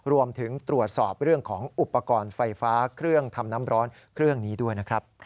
รวมถึงตรวจสอบเรื่องของอุปกรณ์ไฟฟ้าเครื่องทำน้ำร้อนเครื่องนี้ด้วยนะครับ